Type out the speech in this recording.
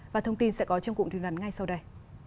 và thông tin sẽ có trong cụm thuyền lần ngay sau đây